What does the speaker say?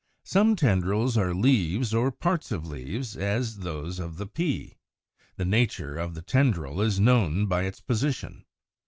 Some tendrils are leaves or parts of leaves, as those of the Pea (Fig. 35). The nature of the tendril is known by its position.